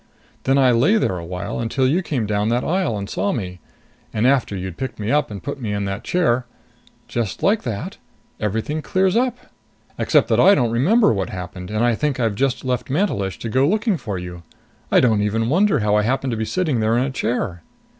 Then I lay there a while until you came down that aisle and saw me. And after you'd picked me up and put me in that chair just like that, everything clears up! Except that I don't remember what happened and think I've just left Mantelish to go looking for you. I don't even wonder how I happen to be sitting there in a chair!"